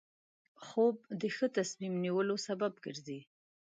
خوب د ښه تصمیم نیولو سبب کېږي